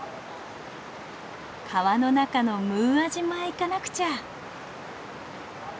川の中のムーア島へ行かなくちゃ。